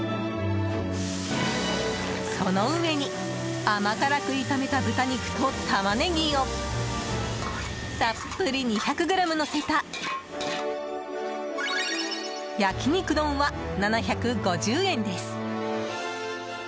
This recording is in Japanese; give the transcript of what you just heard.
その上に甘辛く炒めた豚肉とタマネギをたっぷり２００ｇのせた焼肉丼は、７５０円です。